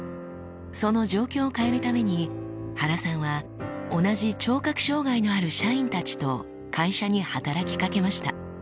その状況を変えるために原さんは同じ聴覚障がいのある社員たちと会社に働きかけました。